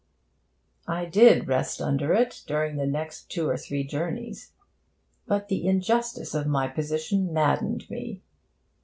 I did rest under it during the next two or three journeys. But the injustice of my position maddened me.